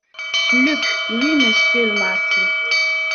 Luc - Oui , monsieur le marquis.